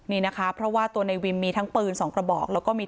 นี่นะคะเพราะว่าตัวในวิมมีทั้งปืน๒กระบอก